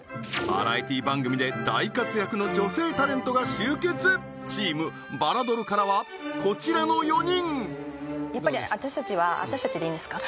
バラエティー番組で大活躍の女性タレントが集結チームバラドルからはこちらの４人やっぱり私たちは私たちでいいんですか？